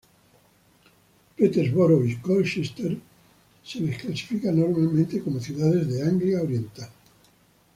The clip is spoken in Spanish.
Peterborough y Colchester se les clasifica normalmente como ciudades de Anglia Oriental.